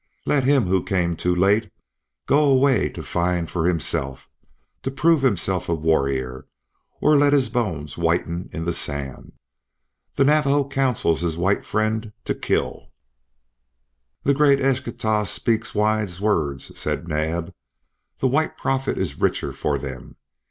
Let him who came too late go away to find for himself, to prove himself a warrior, or let his bones whiten in the sand. The Navajo counsels his white friend to kill." "The great Eschtah speaks wise words," said Naab. "The White Prophet is richer for them.